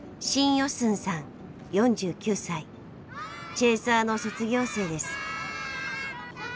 チェーサーの卒業生です。